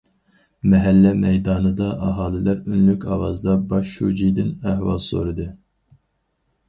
مەھەللە مەيدانىدا ئاھالىلەر ئۈنلۈك ئاۋازدا باش شۇجىدىن ئەھۋال سورىدى.